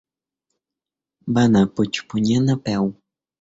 Va anar a Puigpunyent a peu.